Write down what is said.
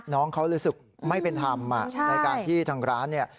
น้องเขารู้สึกไม่เป็นธรรมในการที่ทางร้านเนี่ย